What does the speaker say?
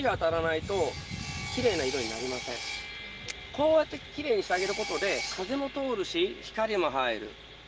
こうやってきれいにしてあげることで風も通るし光も入る。